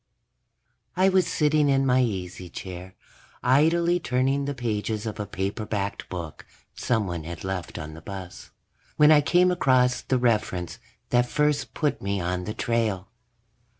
I was sitting in my easy chair, idly turning the pages of a paperbacked book someone had left on the bus, when I came across the reference that first put me on the trail.